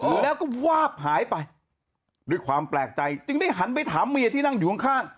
แล้วก็วาบหายไปด้วยความแปลกใจจึงได้หันไปถามเมียที่นั่งอยู่ข้างข้าง